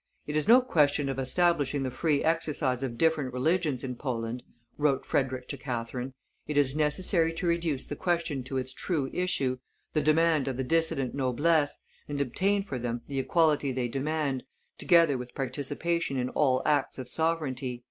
"It is no question of establishing the free exercise of different religions in Poland," wrote Frederick to Catherine; "it is necessary to reduce the question to its true issue, the demand of the dissident noblesse, and obtain for them the equality they demand, together with participation in all acts of sovereignty."